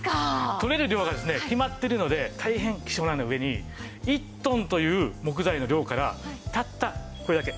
採れる量がですね決まってるので大変希少な上に１トンという木材の量からたったこれだけ。